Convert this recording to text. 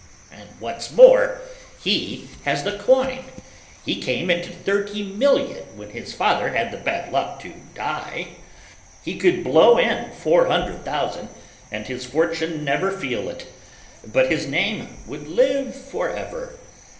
And what's more, he has the coin, for he came into thirty million when his father had the bad luck to die. He could blow in four hundred thousand and his fortune never feel it, but his name would live forever.